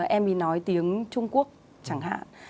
em ấy nói tiếng trung quốc chẳng hạn